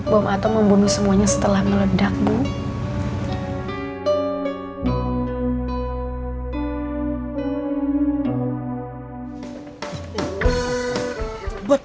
bom atom membunuh semuanya setelah meledak bu